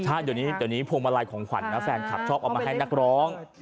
ใช่ดีพวงมาลายของขวัญนะแฟนคลับชอบเอามาให้นักร้อง